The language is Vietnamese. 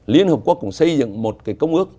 liên hợp quốc cũng xây dựng một cái công ước